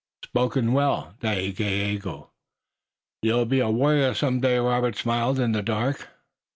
"Spoken well, Dagaeoga. You'll be a warrior some day." Robert smiled in the dark.